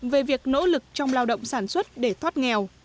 về việc nỗ lực trong lao động sản xuất để thoát nghèo